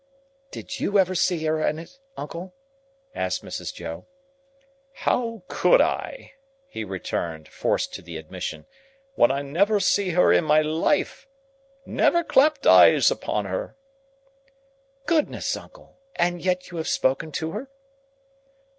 "Did you ever see her in it, uncle?" asked Mrs. Joe. "How could I," he returned, forced to the admission, "when I never see her in my life? Never clapped eyes upon her!" "Goodness, uncle! And yet you have spoken to her?"